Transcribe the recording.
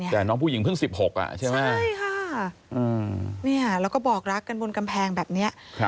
แต่น้องผู้หญิงเพิ่ง๑๖ใช่ไหมใช่ค่ะแล้วก็บอกรักกันบนกำแพงแบบนี้